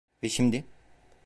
Ve şimdi...